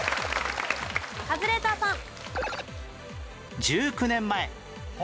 カズレーザーさん。